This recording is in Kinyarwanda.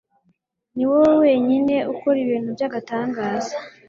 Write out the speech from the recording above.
ni wowe wenyine ukora ibintu by'agatangaza